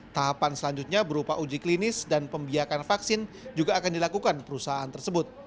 tahapan selanjutnya berupa uji klinis dan pembiakan vaksin juga akan dilakukan perusahaan tersebut